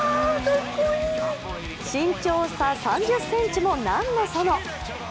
身長差３０ｃｍも何のその。